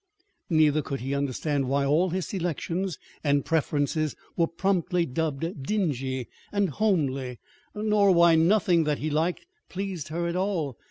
Neither could he understand why all his selections and preferences were promptly dubbed "dingy" and "homely," nor why nothing that he liked pleased her at all.